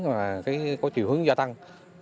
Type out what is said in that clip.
và có chiều hướng gia tăng